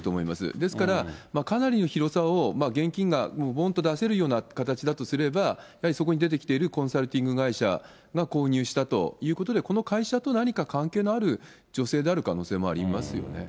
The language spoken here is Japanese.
ですから、かなりの広さを現金がぼんと出せるような形だとすれば、やはりそこに出てきているコンサルティング会社が購入したということで、この会社と何か関係のある女性である可能性もありますよね。